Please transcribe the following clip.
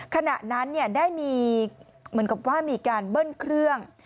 ขณะนั้นได้มีเหมือนกับว่ามีการเบิ้ลเครื่อง